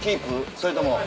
それとも。